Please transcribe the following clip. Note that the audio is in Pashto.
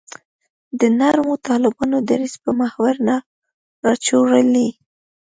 د نرمو طالبانو دریځ پر محور نه راچورلي.